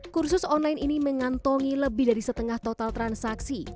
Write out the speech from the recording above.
kursus online ini mengantongi lebih dari setengah total transaksi